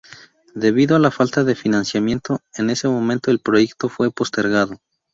Debido a la falta de financiamiento en ese momento, el proyecto fue postergado.